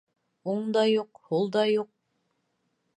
Уң да юҡ, һул да юҡ